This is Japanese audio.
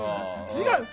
違う！